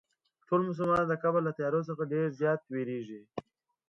ټول مسلمانان د قبر له تیارو څخه ډېر زیات وېرېږي.